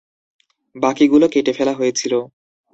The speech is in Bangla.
বাকিগুলো কেটে ফেলা হয়েছিল।